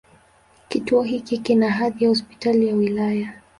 Kituo hiki kina hadhi ya Hospitali ya wilaya.